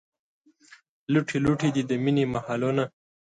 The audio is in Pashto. لوټې لوټې دي، د مینې محلونه